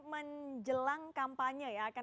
menjelang kampanye ya